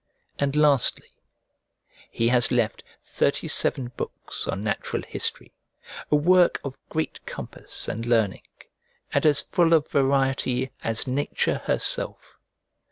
And lastly he has left thirty seven books on Natural History, a work of great compass and learning, and as full of variety as nature herself.